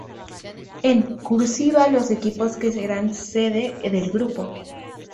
En "cursiva", los equipos que serán sede del grupo.